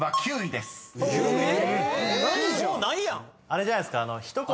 あれじゃないですか？